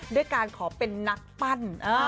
ด้วยการขอเป็นนักปั้น